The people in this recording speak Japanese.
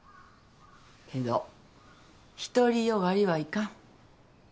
けど独り善がりはいかん。